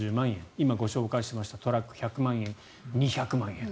今、ご紹介しましたトラック１００万円で２００万円